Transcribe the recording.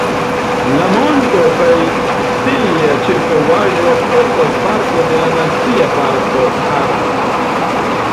La monto kaj sia ĉirkaŭaĵo estas parto de la Nacia Parko Harco.